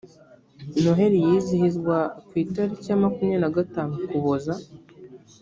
noheli yizihizwa ku itariki ya makumyabiri na gatanu ukubooza